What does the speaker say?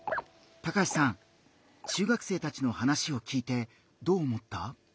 中学生たちの話を聞いてどう思った？